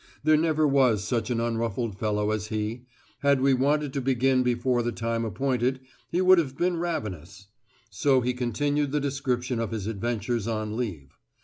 There never was such an unruffled fellow as he; had we wanted to begin before the time appointed, he would have been ravenous. So he continued the description of his adventures on leave.